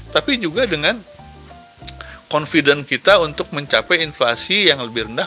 tapi juga dengan confident kita untuk mencapai inflasi yang lebih rendah